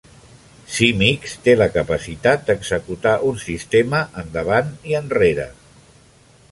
Simics té la capacitat d'executar un sistema endavant i enrere.